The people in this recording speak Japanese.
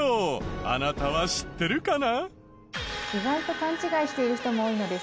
あなたは知ってるかな？